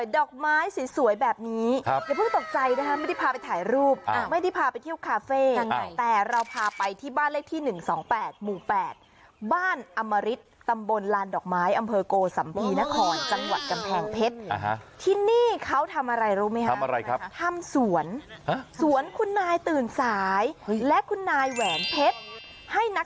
ดอกไม้สวยแบบนี้อย่าเพิ่งตกใจนะครับไม่ได้พาไปถ่ายรูปไม่ได้พาไปเที่ยวคาเฟ้แต่เราพาไปที่บ้านเลขที่๑๒๘หมู่๘บ้านอมริตตำบลลานดอกไม้อำเภอโกลดินทร์อำเภอโกลดินทร์อำเภอโกลดินทร์อำเภอโกลดินทร์อำเภอโกลดินทร์อำเภอโกลดินทร์อำเภอโกลดินทร์อำเภอโกลดินทร์